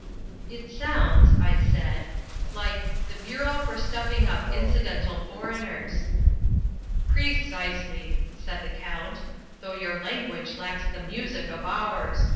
"It sounds," I said, "like the Bureau for Stuffing Up Incidental Foreigners." "Precisely," said the Count, "though your language lacks the music of ours.